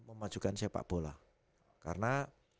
memajukan sepak bola karena